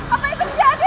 apa yang terjadi